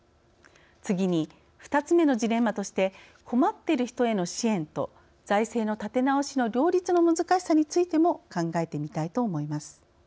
次に２つ目のジレンマとして困っている人への支援と財政の立て直しの両立の難しさについても考えてみたいと思います。